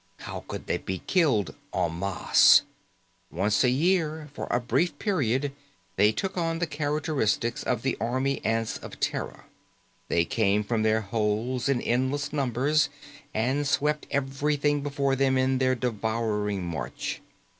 How could they be killed, en masse? Once a year, for a brief period, they took on the characteristics of the army ants of Terra. They came from their holes in endless numbers and swept everything before them in their devouring march.